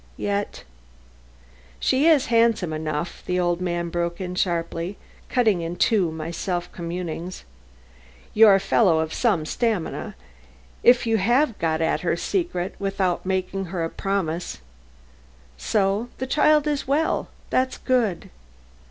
Yet "She is handsome enough," the old man broke in sharply, cutting in two my self communings. "You're a fellow of some stamina, if you have got at her secret without making her a promise. So the child is well! That's good!